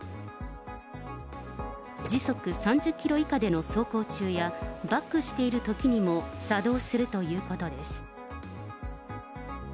時速３０キロ以下での走行中や、バックしているときにも作動するということです。